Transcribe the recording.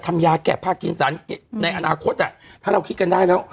ยาแกะผ้ากินสารในอนาคตถ้าเราคิดกันได้แล้ว